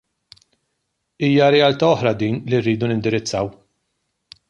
Hija realtà oħra din li rridu nindirizzaw.